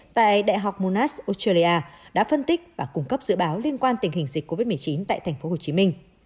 tại đại học monas australia đã phân tích và cung cấp dự báo liên quan tình hình dịch covid một mươi chín tại tp hcm